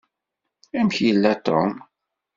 Amek yella Tom?